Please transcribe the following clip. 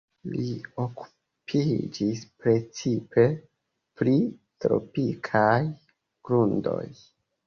Li okupiĝis precipe pri tropikaj grundoj.